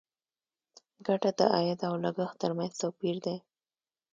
ګټه د عاید او لګښت تر منځ توپیر دی.